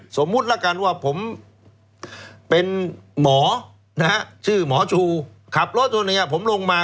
สมมุติละกันว่าผมเป็นหมอชื่อหมอชูขับรถตัวหนึ่งผมลงมา